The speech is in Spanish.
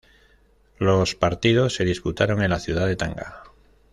Los partidos se disputaron en la ciudad de Tanga.